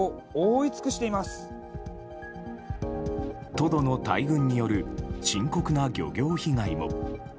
トドの大群による深刻な漁業被害も。